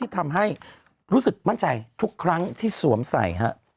ทำให้รู้สึกมั่นใจทุกครั้งที่สวมใส่ฮะ